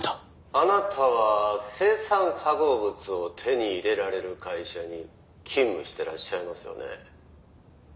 「あなたは青酸化合物を手に入れられる会社に勤務してらっしゃいますよね」